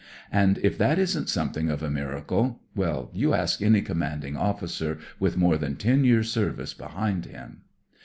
And 88 THE MORAL OF THE BOCHE if that isn't something of a miracle— well, you ask any Commanding Officer with more than ten years* service behind him.